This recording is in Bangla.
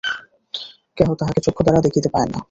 কেহ তাঁহাকে চক্ষুদ্বারা দেখিতে পায় না।